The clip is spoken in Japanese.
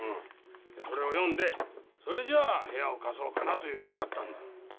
それを読んでそれじゃあ部屋を貸そうかなという気になったんだ。